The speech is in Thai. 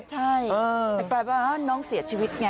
ใช่แปลว่าน้องเสียชีวิตไง